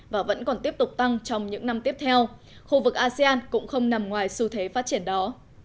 và vẫn còn tiếp tục tăng trong những năm tiếp theo khu vực asean cũng không nằm ngoài xu thế phát triển đó